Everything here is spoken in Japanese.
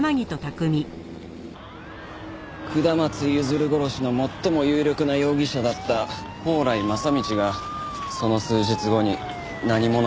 下松譲殺しの最も有力な容疑者だった宝来正道がその数日後に何者かに殺された。